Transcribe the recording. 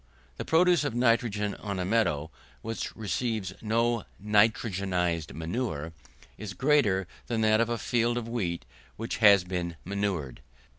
The produce of nitrogen on a meadow which receives no nitrogenised manure, is greater than that of a field of wheat which has been manured.